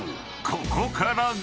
ここからが］